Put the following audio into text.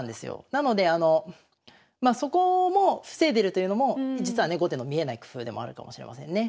なのであのまあそこも防いでるというのも実はね後手の見えない工夫でもあるかもしれませんね。